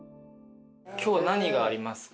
今日は何がありますか？